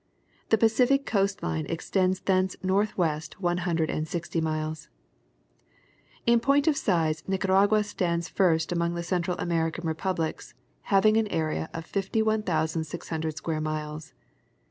The Pacific coast line extends thence northwest one hundred and sixty miles. In point of size Nicaragua stands first among the Central American republics having an area of 51,600 square miles.